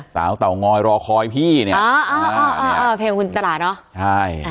สาวเต๋อง้อยรอคอยพี่เนี่ยอ่าอ่าอ่าอ่าเพลงคุณตลาดเนอะใช่